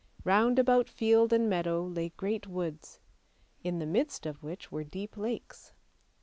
Round about field and meadow lay great woods, in the midst of which were deep lakes.